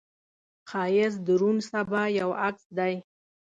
ښایست د روڼ سبا یو عکس دی